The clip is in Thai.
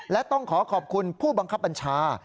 และต้องขอขอบคุณผู้บังคับบัญชา